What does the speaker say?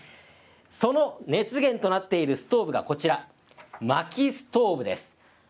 その熱源となっているストーブがこちら、まきストーブです。